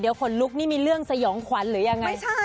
เดี๋ยวขนลุกนี่มีเรื่องสยองขวัญหรือยังไง